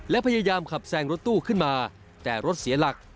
และพยายามขับแซงรถตู้ขึ้นมาแต่รถเสียหลัก